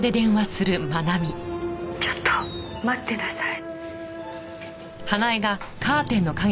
ちょっと待ってなさい。